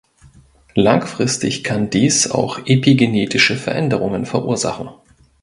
Langfristig kann dies auch epigenetische Veränderungen verursachen.